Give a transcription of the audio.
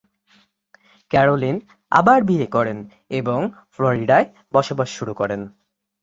Caroline আবার বিয়ে করেন এবং ফ্লোরিডায় বসবাস শুরু করেন।